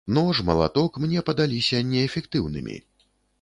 Нож, малаток мне падаліся неэфектыўнымі.